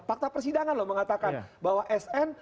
fakta persidangan loh mengatakan bahwa sn